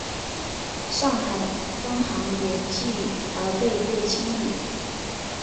上海分行也继而被被清理。